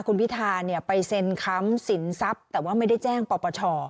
คุณพิธาเนี่ยไปเซ็นค้ำสินทรัพย์แต่ว่าไม่ได้แจ้งปปช